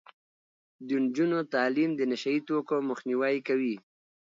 د نجونو تعلیم د نشه يي توکو مخنیوی کوي.